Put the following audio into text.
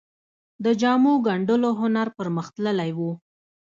د جامو ګنډلو هنر پرمختللی و